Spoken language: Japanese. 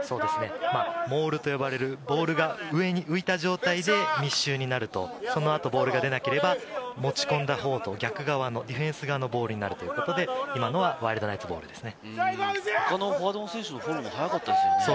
モールと呼ばれるボールが上に浮いた状態で密集になると、そのあとボールが出なければ、持ち込んだほうと、逆側のディフェンス側のボールになるということで今のはワイルドナイツボールですね。